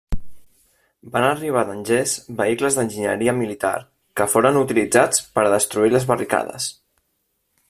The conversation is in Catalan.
Van arribar d'Angers vehicles d'enginyeria militar que foren utilitzats per a destruir les barricades.